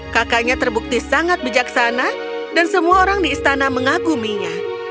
kakaknya terbukti sangat bijaksana dan semua orang di istana mengaguminya